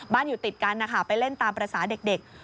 อยู่ติดกันนะคะไปเล่นตามภาษาเด็ก